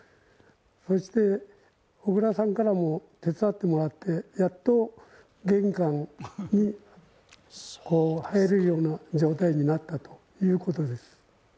そして小倉さんにも手伝ってもらってやっと玄関に入れるような状態になったということです。